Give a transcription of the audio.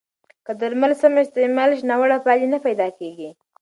که درمل سم استعمال شي، ناوړه پایلې نه پیدا کېږي.